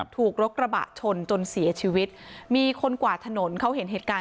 ถูกรถกระบะชนจนเสียชีวิตมีคนกวาดถนนเขาเห็นเหตุการณ์